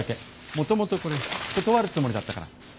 もともとこれ断るつもりだったから。